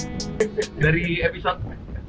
dari episode sehari menjadi yang saya belajar jadi dipanggang